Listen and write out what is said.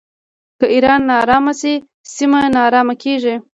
که ایران ناارامه شي سیمه ناارامه کیږي.